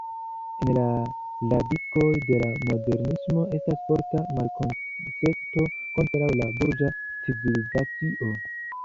En la radikoj de la Modernismo estas forta malkonsento kontraŭ la burĝa civilizacio.